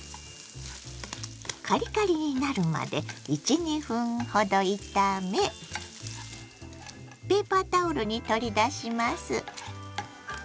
カリカリになるまで１２分ほど炒めペーパータオルに取り出します。